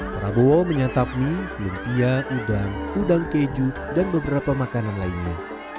prabowo menyantap mie lumpia udang udang keju dan beberapa makanan lainnya